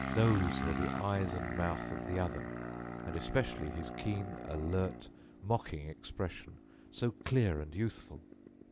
Those were the eyes and mouth of the other, and especially his keen, alert, mocking expression, so clear and youthful!